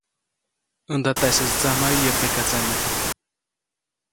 Ndataʼisäjtsi tsamjayu yäʼ pekatsame,.